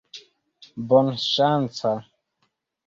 bonŝanca